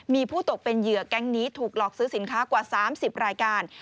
มีผู้ตกเป็นเหยื่อแก๊งนี้ถูกหลอกซื้อสินค้ากว่า๓๐รายการ